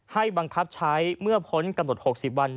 บังคับใช้เมื่อพ้นกำหนด๖๐วัน